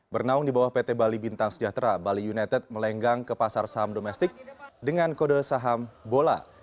bernaung di bawah pt bali bintang sejahtera bali united melenggang ke pasar saham domestik dengan kode saham bola